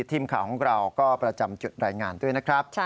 ทีมข่าวของเราก็ประจำจุดรายงานด้วยนะครับ